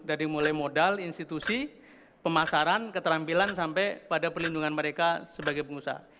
dari mulai modal institusi pemasaran keterampilan sampai pada perlindungan mereka sebagai pengusaha